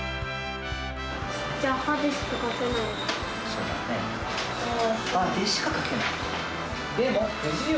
じゃあ、歯でしか書けないの？